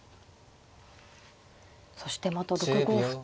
そしてまた６五歩と。